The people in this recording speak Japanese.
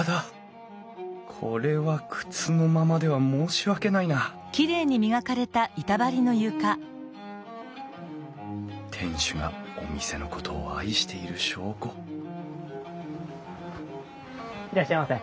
これは靴のままでは申し訳ないな店主がお店のことを愛している証拠いらっしゃいませ。